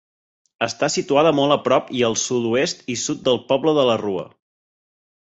Està situada molt a prop i al sud-oest i sud del poble de la Rua.